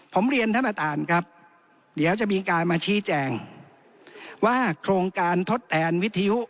ผมเรียนท่านประธานครับเดี๋ยวจะมีการมาชี้แจงว่าโครงการทดแทนวิทยุ